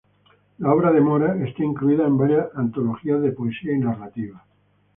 La obra de Mora está incluida en varias antologías de poesía y narrativa.